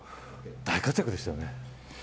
大活躍でしたね。